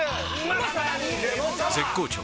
絶好調！！